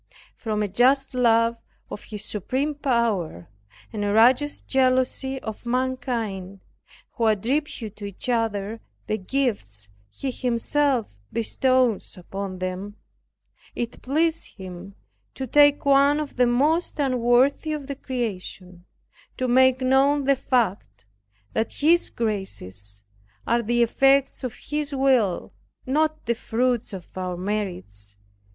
From a just love of His supreme power, and a righteous jealousy of mankind, who attribute to each other the gifts He Himself bestows upon them, it pleased Him to take one of the most unworthy of the creation, to make known the fact that His graces are the effects of His will, not the fruits of our merits.